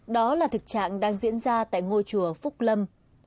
đó là thực trạng đang diễn ra tại ngôi chùa phúc lâm